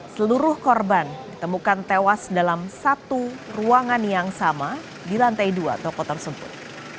seluruh korban ditemukan tewas dalam satu ruangan yang sama di lantai dua toko tersebut